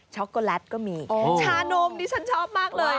็อกโกแลตก็มีชานมดิฉันชอบมากเลย